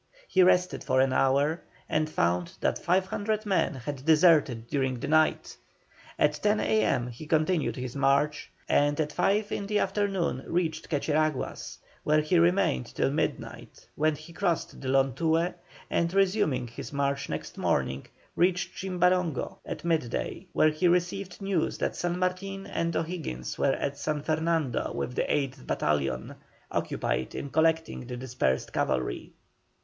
He rested for an hour, and found that 500 men had deserted during the night. At 10 A.M. he continued his march, and at five in the afternoon reached Quecheraguas, where he remained till midnight, when he crossed the Lontué, and, resuming his march next morning, reached Chimbarongo at midday, where he received news that San Martin and O'Higgins were at San Fernando with the 8th battalion, occupied in collecting the dispersed cavalry.